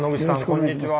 こんにちは。